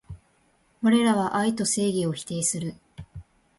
われらは愛と正義を否定する